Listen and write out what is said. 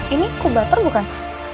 ini ku baper bukan